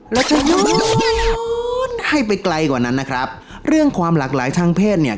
เราจะยกย้อนให้ไปไกลกว่านั้นนะครับเรื่องความหลากหลายทางเพศเนี่ย